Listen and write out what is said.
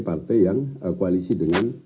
partai yang koalisi dengan